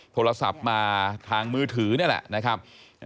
โทรศัพท์มาทางมือถือนี่แหละนะครับ